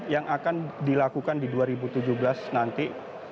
yang akan dilakukan di dua ribu tujuh belas nanti